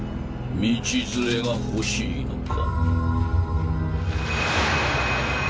道連れが欲しいのか？